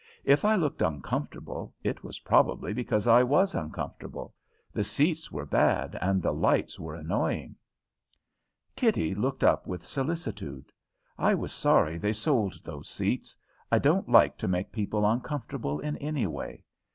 If I looked uncomfortable, it was probably because I was uncomfortable. The seats were bad and the lights were annoying." Kitty looked up with solicitude. "I was sorry they sold those seats. I don't like to make people uncomfortable in any way.